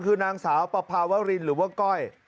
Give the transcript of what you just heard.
คือนางสาวปภาวรินหรือว่าก้อย